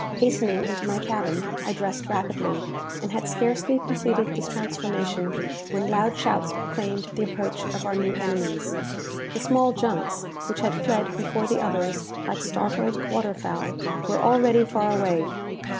Hastening into my cabin, I dressed rapidly, and had scarcely completed this transformation when loud shouts proclaimed the approach of our new enemies. The small junks, which had fled before the others like startled water fowl, were already far away.